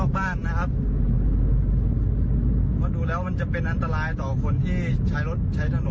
เอาแล้วเอาแล้วสะพานสะพานพี่สะพาน